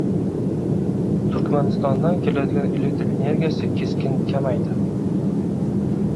Turkmanistondan keladigan elektr energiyasi keskin kamaydi